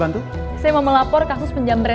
aku sudah kekejar